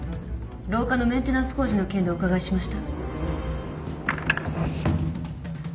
廊下のメンテナンス工事の件でお伺いしました。